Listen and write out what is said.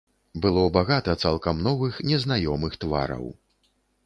Было багата цалкам новых незнаёмых твараў.